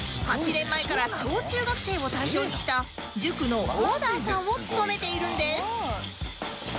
８年前から小中学生を対象にした塾のオーナーさんを務めているんです